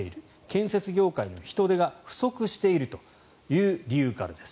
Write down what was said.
建設業界の人手が不足しているという理由からです。